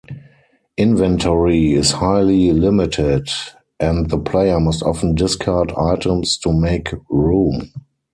Inventory is highly limited, and the player must often discard items to make room.